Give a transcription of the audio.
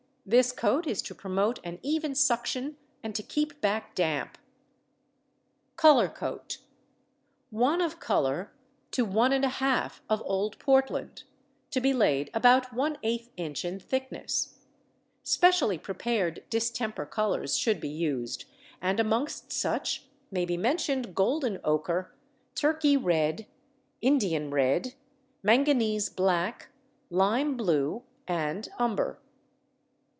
This coat is to promote an even suction and to keep back damp. Colour Coat. 1 of colour to 1 1/2 of old Portland, to be laid about 1/8 inch in thickness. Specially prepared distemper colours should be used, and amongst such may be mentioned golden ochre, Turkey red, Indian red, manganese black, lime blue, and umber.